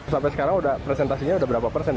sampai sekarang presentasinya udah berapa persen